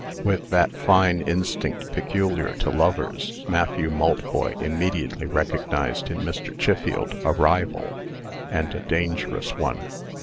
With that fine instinct peculiar to lovers, Matthew Maltboy immediately recognized in Mr. Chiffield a rival and a dangerous one.